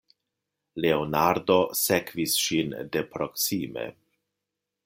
Leonardo sekvis ŝin de proksime.